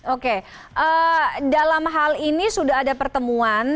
oke dalam hal ini sudah ada pertemuan